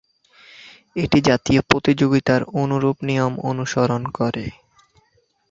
এটি জাতীয় প্রতিযোগিতার অনুরূপ নিয়ম অনুসরণ করে।